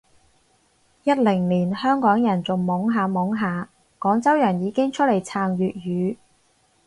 一零年香港人仲懵下懵下，廣州人已經出嚟撐粵語